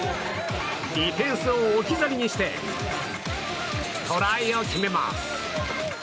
ディフェンスを置き去りにしてトライを決めます。